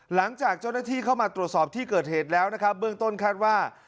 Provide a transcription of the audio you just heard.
หลังจากเจ้าหน้าที่เข้ามาตรวจสอบที่เกิดเหตุแล้วนะครับเบื้องต้นคาดว่า